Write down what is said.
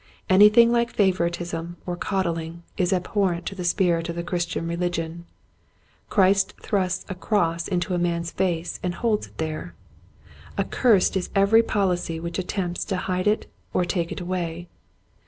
Anything like favoritism or coddling is abhorrent to the spirit of the Christian religion. Christ thrusts a cross into a man's face and holds it there. Accursed is every policy which attempts to hide it or take it away.